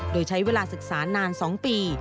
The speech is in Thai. โดยใช้เวลาศึกษานาน๒ปี